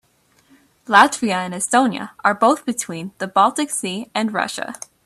Latvia and Estonia are both between the Baltic Sea and Russia.